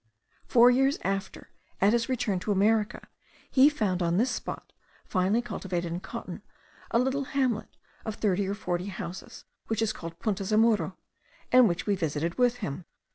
Four years after, at his return to America, he found on this spot, finely cultivated in cotton, a little hamlet of thirty or forty houses, which is called Punta Zamuro, and which we visited with him.